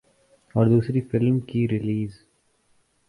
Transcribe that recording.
اور دوسری فلم کی ریلیز